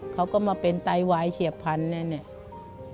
เขาก็มาเป็นไตวายเฉียบพันธุ์